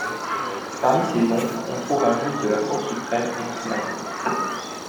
Parmi ses oncles, on trouve un juge de la Cour suprême et un sénateur.